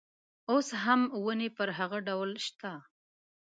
اوس هم هغه ونې پر هغه ډول شته.